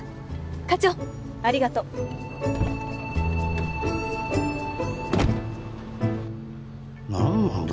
課長ありがとう。なんなんだ？